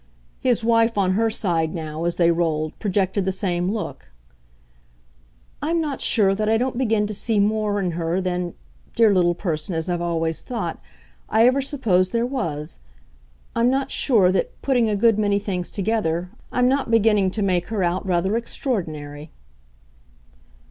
His wife, on her side now, as they rolled, projected the same look. "I'm not sure that I don't begin to see more in her than dear little person as I've always thought I ever supposed there was. I'm not sure that, putting a good many things together, I'm not beginning to make her out rather extraordinary."